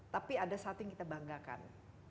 tapi ada satu yang kita banggakan